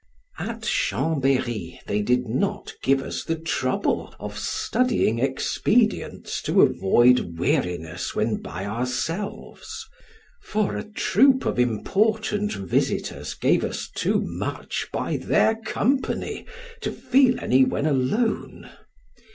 At Chambery they did not give us the trouble of studying expedients to avoid weariness, when by ourselves, for a troop of important visitors gave us too much by their company, to feel any when alone.